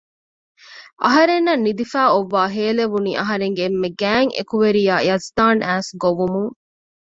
އަހަރެންނަށް ނިދިފައި އޮއްވާ ހޭލެވުނީ އަހަރެންގެ އެންމެ ގާތް އެކުވެރިޔާ ޔަޒްދާން އައިސް ގޮވުމުން